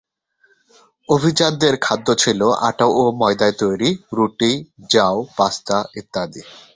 অভিজাতদের খাদ্য ছিল আটা ও ময়দায় তৈরি রুটি, জাউ, পাস্তা ইত্যাদি।